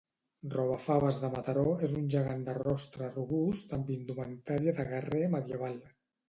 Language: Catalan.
Robafaves de Mataró és un gegant de rostre robust amb indumentària de guerrer medieval